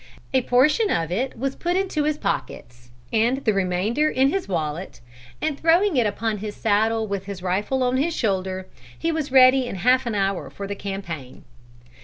A portion of it was put into his pockets, the remainder in his wallet, and throwing it upon his saddle with his rifle on his shoulder, he was ready in half an hour for the campaign.